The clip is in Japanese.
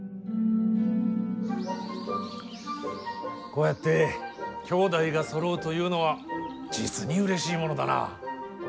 こうやって兄弟がそろうというのは実にうれしいものだな。